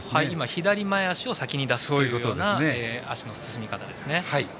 左前脚を前に出すというような脚の進み方ですね。